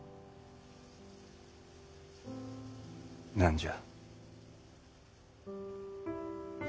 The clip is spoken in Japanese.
何じゃ？